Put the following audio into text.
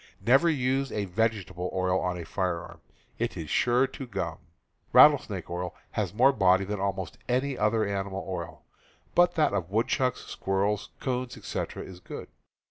Never use a vegetable oil on a P ^.. firearm — it is sure to gum. Rattlesnake oil has more body than almost any other animal oil; but that of woodchucks, squirrels, 'coons, etc., is good.